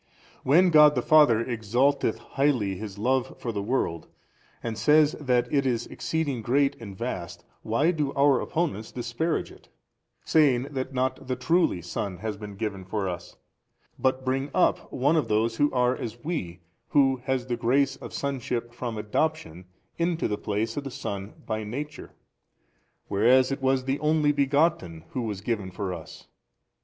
When God the Father exalteth highly His Love for the world and says that it is exceeding great and vast, why do our opponents disparage it, saying that not the truly Son has been given for us, but bring up one of those who are as we, who has the grace of sonship from adoption, into the place of the Son by Nature, whereas it was the Only Begotten Who was given for us?